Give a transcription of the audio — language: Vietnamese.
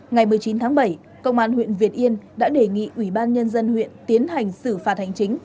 ngày một mươi chín tháng bảy công an huyện việt yên đã đề nghị ủy ban nhân dân huyện tiến hành xử phạt hành chính